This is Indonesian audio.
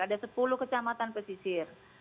ada sepuluh kecamatan pesisir